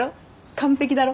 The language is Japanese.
完璧だろ？